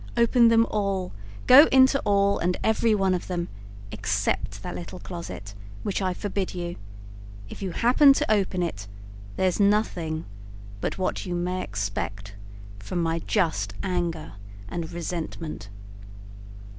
Open them all; go into all and every one of them, except that little closet, which I forbid you; if you happen to open it, there's nothing but what you may expect from my just anger and resentment."